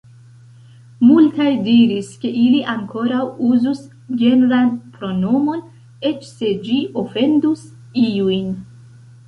Multaj diris ke ili ankoraŭ uzus genran pronomon, eĉ se ĝi ofendus iujn.